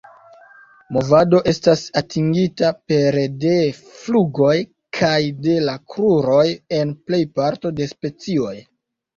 Movado estas atingita pere de flugoj kaj de la kruroj en plejparto de specioj.